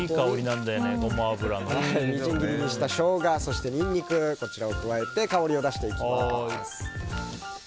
みじん切りにしたショウガニンニクを加えて香りを出していきます。